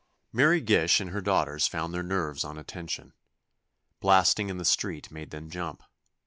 Mary Gish and her daughters found their nerves on a tension. Blasting in the street made them jump.